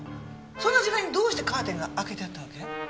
そんな時間にどうしてカーテンが開けてあったわけ？